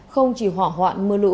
không chỉ hỏa hoạn mưa lũ